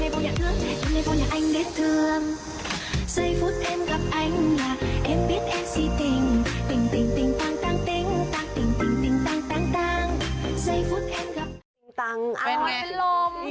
เป็นไง